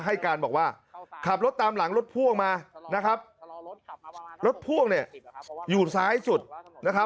ให้การบอกว่าขับรถตามหลังรถพ่วงมานะครับรถพ่วงเนี่ยอยู่ซ้ายสุดนะครับ